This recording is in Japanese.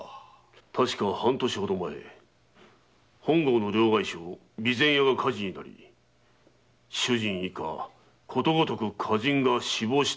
確か半年ほど前両替商「備前屋」が火事になり主人以下ことごとく家人が死亡した事件があった。